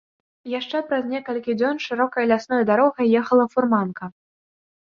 Яшчэ праз некалькі дзён шырокай лясной дарогай ехала фурманка.